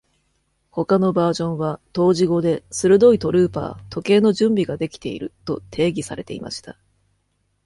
他のバージョンは頭字語で、「鋭いトルーパー、時計の準備が出来ている」と定義されていました。